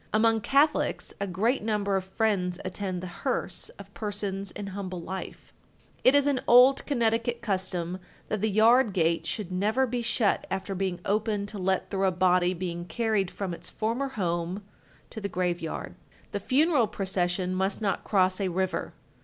Among Catholics a great number of friends attend the hearse of persons in humble life. 1251. It is an old Connecticut custom that the yard gate should never be shut after being opened to let through a body being carried from its former home to the graveyard. 1252. The funeral procession must not cross a river.